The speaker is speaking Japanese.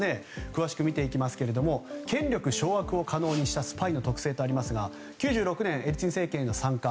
詳しく見ていきますが権力掌握を可能にしたスパイの特性とありますが９６年、エリツィン政権に参加。